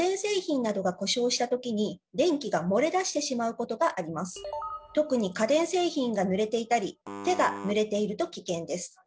正解はアースとは特に家電製品がぬれていたり手がぬれていると危険です。